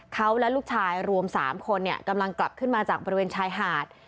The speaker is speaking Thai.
เขาและลูกชายรวม๓คนกำลังกลับขึ้นมาจากบริเวณชายหาด